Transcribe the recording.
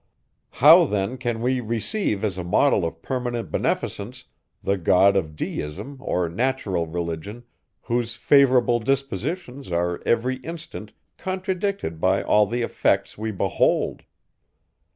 How then can we receive as a model of permanent beneficence, the God of Deism or natural religion, whose favourable dispositions are every instant contradicted by all the effects we behold?